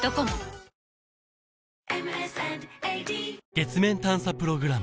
月面探査プログラム